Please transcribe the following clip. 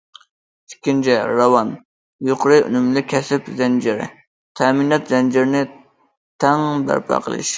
ئىككىنچى، راۋان، يۇقىرى ئۈنۈملۈك كەسىپ زەنجىرى، تەمىنات زەنجىرىنى تەڭ بەرپا قىلىش.